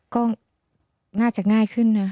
ก็น่าจะง่ายขึ้นนะ